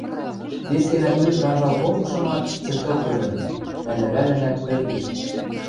Вес гӓнӓ ӱлӹкӹ анжал колтышымат, цӹлток ӧрӹм: мӓ лӹвӓлнӹнӓ пӹл кечӓ.